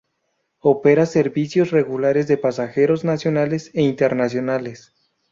Opera servicios regulares de pasajeros nacionales e internacionales.